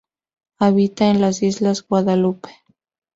Habita en las islas Guadalupe.